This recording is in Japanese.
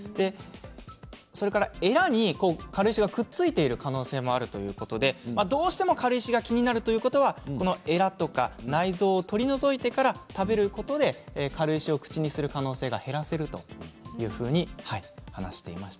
それから、えらに軽石がくっついている可能性があるということで、どうしても軽石が気になるという方はえらや内臓を取り除いてから食べることで軽石を口にする可能性が減らせるというふうに話していました。